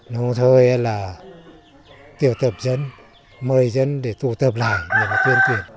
đồng thời là tiểu tập dân mời dân để tụ tập lại để mà tuyên tuyển